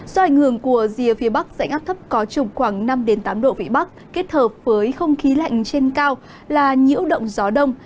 do ảnh hưởng của rìa phía bắc dãy ngắp thấp có trục khoảng năm tám độ vị bắc kết hợp với không khí lạnh trên cao là nhiễu động gió đông